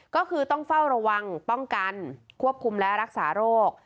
ก็คือต้องเฝ้าระวังป้องกันควบคุมและรักษาโรค